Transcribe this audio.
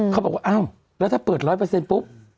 เขาบอกว่าอ้าวแล้วถ้าเปิด๑๐๐เปอร์เซ็นต์ปุ๊บ